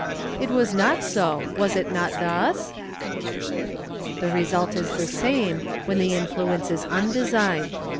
'It was not so, was it not thus »? The result is the same, when the influence is undesigned.